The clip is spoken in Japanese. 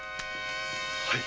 はい。